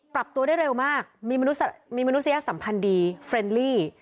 ปรับตัวได้เร็วมากมีมนุษยสัมพันธ์ดีเฟรนลี่